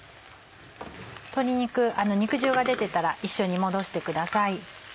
鶏肉肉汁が出てたら一緒に戻してください。